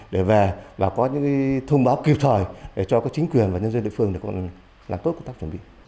để về và có những thông báo kịp thời để cho các chính quyền và nhân dân địa phương để làm tốt công tác chuẩn bị